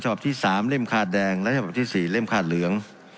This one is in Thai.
ฉภาพที่สามเล่มคาดแดงและฉภาพที่สี่เล่มคาดเหลือง